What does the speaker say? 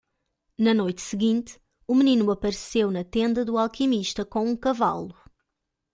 Na noite seguinte, o menino apareceu na tenda do alquimista com um cavalo.